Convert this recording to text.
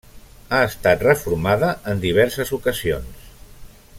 Ha estat reformada en diverses ocasions.